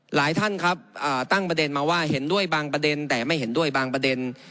หลายท่านครับตั้งประเด็นมาว่าเห็นด้วยบางประเด็นแต่ไม่เห็นด้วยบางประเด็น